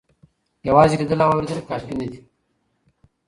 یوازې لیدل او اورېدل کافي نه دي.